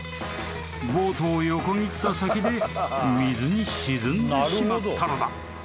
［ボートを横切った先で水に沈んでしまったのだ］